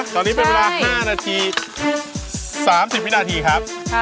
ตอนนี้เป็นเวลา๕นาที๓๐วินาทีครับ